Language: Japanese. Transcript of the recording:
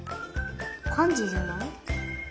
パンジーじゃない？